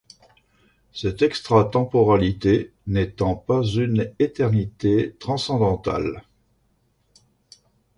Cette extra-temporalité, n'étant pas une éternité transcendentale.